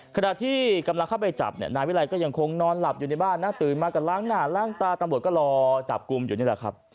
ขณะที่กำลังเข้าไปจับเนี่ยนายวิรัยก็ยังคงนอนหลับอยู่ในบ้านนะตื่นมาก็ล้างหน้าล้างตาตำรวจก็รอจับกลุ่มอยู่นี่แหละครับ